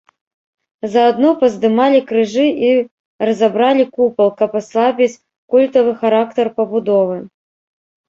Заадно паздымалі крыжы і разабралі купал, каб аслабіць культавы характар пабудовы.